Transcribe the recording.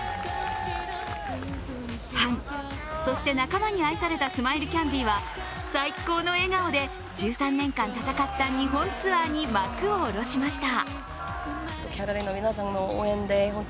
ファン、そして仲間に愛されたスマイルキャンディーは最高の笑顔で１３年間戦った日本ツアーに幕を下ろしました。